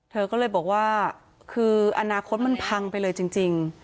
เธอก็เลยบอกว่าคืออนาคตมันพังไปเลยจริง